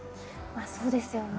まあそうですよね。